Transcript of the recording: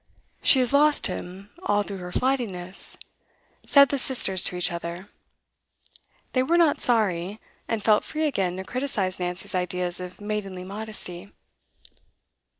'She has lost him, all through her flightiness,' said the sisters to each other. They were not sorry, and felt free again to criticise Nancy's ideas of maidenly modesty.